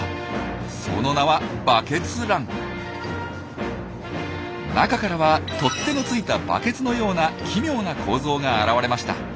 その名は中からは取っ手のついたバケツのような奇妙な構造が現れました。